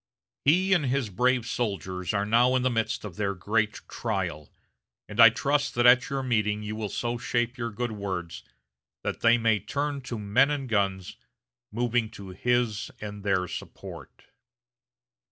He and his brave soldiers are now in the midst of their great trial, and I trust that at your meeting you will so shape your good words that they may turn to men and guns, moving to his and their support."